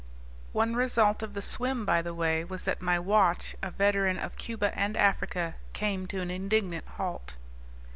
One result of the swim, by the way, was that my watch, a veteran of Cuba and Africa, came to an indignant halt.